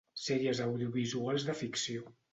Sèries audiovisuals de ficció.